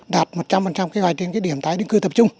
đạt một trăm linh kế hoạch trên điểm tái định cư tập trung